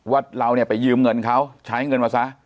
ว่าเราเนี่ยไปยืมเงินเขาใช้เงินมาซะ